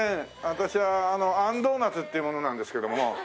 私はあんドーナツっていう者なんですけども。